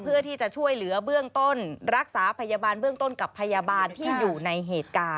เพื่อที่จะช่วยเหลือเบื้องต้นรักษาพยาบาลเบื้องต้นกับพยาบาลที่อยู่ในเหตุการณ์